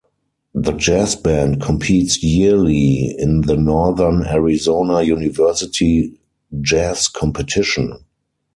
The jazz band competes yearly in the Northern Arizona University jazz competition.